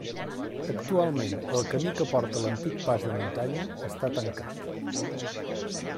Actualment, el camí que porta a l'antic pas de muntanya està tancat.